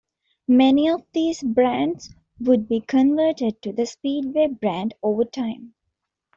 Many of these brands would be converted to the Speedway brand over time.